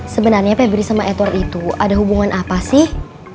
sebenarnya febri sama edward itu ada hubungan apa sih